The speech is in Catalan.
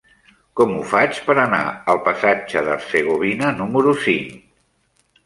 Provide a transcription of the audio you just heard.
Com ho faig per anar al passatge d'Hercegovina número cinc?